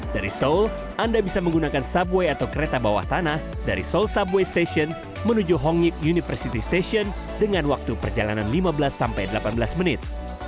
dari seoul anda bisa menggunakan subway atau kereta bawah tanah dari seoul subway station menuju hongit university station dengan waktu perjalanan lima belas sampai delapan belas menit